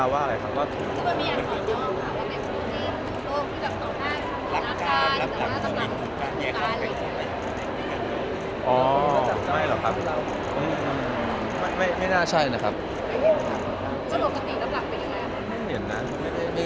มีคนอิ่งว่าว่าอะไรค่ะก็ถือว่า